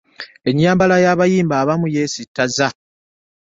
ennyambala y'abayimbi abamu yeesitazza.